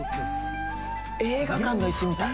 映画館の椅子みたい。